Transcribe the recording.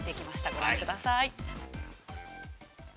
ご覧ください。